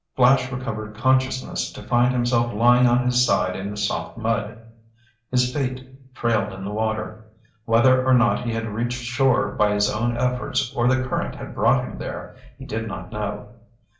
Flash recovered consciousness to find himself lying on his side in the soft mud. His feet trailed in the water. Whether or not he had reached shore by his own efforts or the current had brought him there, he did not know.